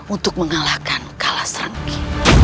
untuk mengalahkan kalas renggi